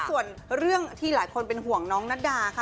ส่วนเรื่องที่หลายคนเป็นห่วงน้องนัดดาค่ะ